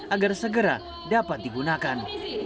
agar segera dapat digunakan